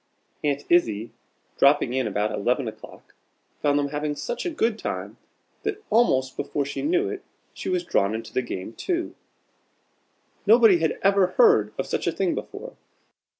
Aunt Izzie, dropping in about eleven o'clock, found them having such a good time, that almost before she knew it, she was drawn into the game too. Nobody had ever heard of such a thing before!